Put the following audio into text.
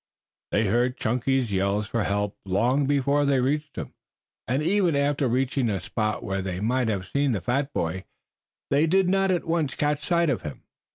They heard Chunky's yells for help long before they reached him, and even after reaching a spot where they might have seen the fat boy, they did not at once catch sight of him.